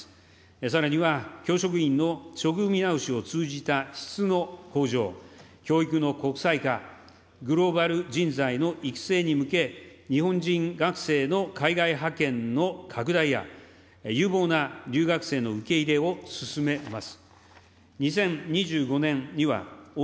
さらには、教職員の処遇見直しを通じた質の向上、教育の国際化、グローバル人材の育成に向け、日本人学生の海外派遣の拡大や、有望な留学生の受け入れを進めます。